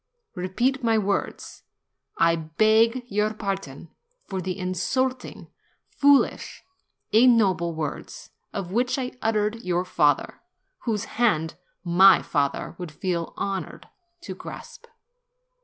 Repeat my words. T beg your pardon for the insulting, foolish, and ig noble words which I uttered against your father, whose hand my father would feel honored to grasp.'